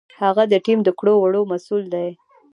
هغه د ټیم د کړو وړو مسؤل دی.